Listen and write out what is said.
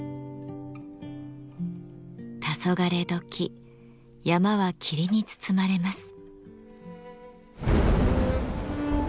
たそがれ時山は霧に包まれます。